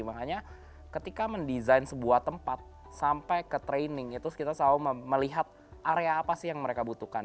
makanya ketika mendesain sebuah tempat sampai ke training itu kita selalu melihat area apa sih yang mereka butuhkan